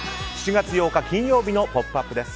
７月８日、金曜日の「ポップＵＰ！」です。